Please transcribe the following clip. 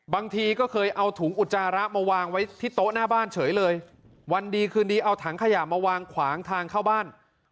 บางทีก็เคยเอาถุงอุจจาระมาวางไว้ที่โต๊ะหน้าบ้านเฉยเลยวันดีคืนดีเอาถังขยะมาวางขวางทางเข้าบ้าน